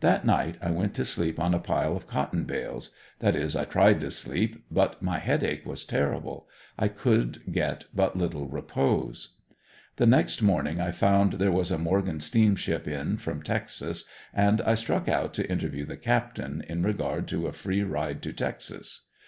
That night I went to sleep on a pile of cotton bales that is I tried to sleep, but my headache was terrible, I could get but little repose. The next morning I found there was a Morgan steamship in from Texas, and I struck out to interview the captain in regard to a free ride to Texas.